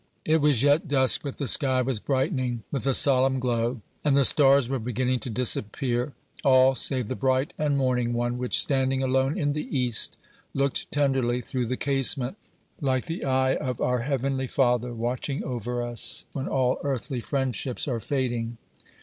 It was yet dusk, but the sky was brightening with a solemn glow, and the stars were beginning to disappear; all, save the bright and morning one, which, standing alone in the east, looked tenderly through the casement, like the eye of our heavenly Father, watching over us when all earthly friendships are fading.